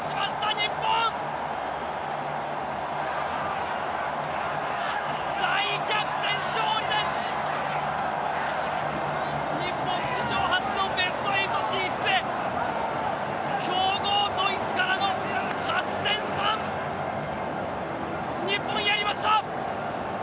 日本、史上初のベスト８進出へ強豪ドイツからの勝ち点３！日本、やりました！